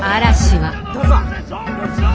どうぞ！